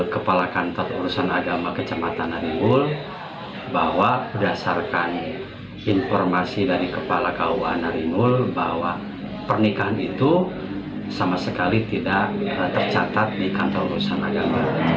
kepala kantor urusan agama kecamatan harimul bahwa berdasarkan informasi dari kepala kua naingul bahwa pernikahan itu sama sekali tidak tercatat di kantor urusan agama